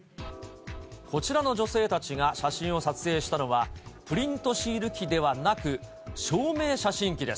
こちらの女性たちが写真を撮影したのは、プリントシール機ではなく、証明写真機です。